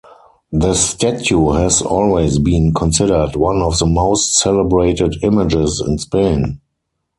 The statue has always been considered one of the most celebrated images in Spain.